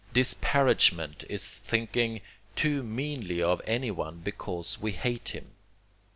Disparagement is thinking too meanly of anyone because we hate him.